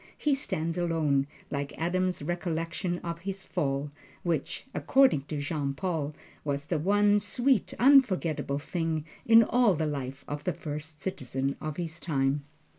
He stands alone, like Adam's recollection of his fall, which according to Jean Paul was the one sweet, unforgetable thing in all the life of the First Citizen of his time.